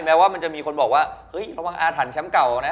ว่ามันจะมีคนบอกว่าเฮ้ยระวังอาถรรพ์แชมป์เก่านะ